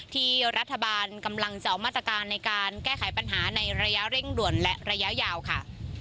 ที่รัฐบาลกำลังจะออกมาตรการในการแก้ไขปัญหาในระยะเร่งด่วนและระยะยาวค่ะ